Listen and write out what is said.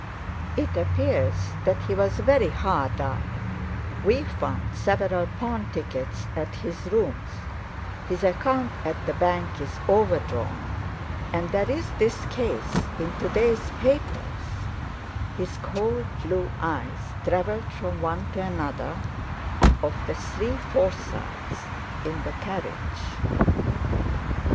It appears that he was very hard up, we found several pawn tickets at his rooms, his account at the bank is overdrawn, and there's this case in to day's papers;" his cold blue eyes travelled from one to another of the three Forsytes in the carriage.